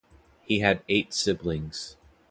He had eight siblings.